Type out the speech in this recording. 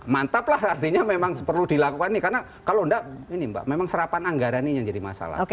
mantap lah artinya memang perlu dilakukan nih karena kalau enggak ini mbak memang serapan anggaran ini yang jadi masalah